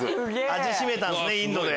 味占めたんすね